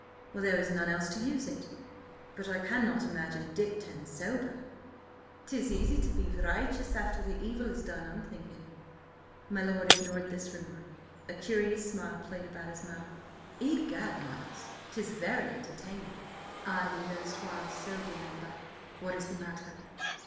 "Well, there is none else to use it. But I cannot imagine Dick turned sober!" "'Tis easy to be righteous after the evil is done, I'm thinking!" My lord ignored this remark. A curious smile played about his mouth. "Egad, Miles, 'tis very entertaining! I, the erstwhile sober member–what is the matter?